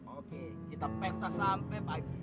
oke kita pesta sampai pagi